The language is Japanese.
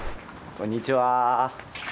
こんにちは。